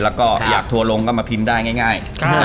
แล้วก็อยากทัวร์ลงก็มาพิมพ์ได้ง่าย